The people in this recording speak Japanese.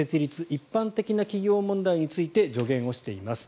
一般的な企業問題について助言をしています。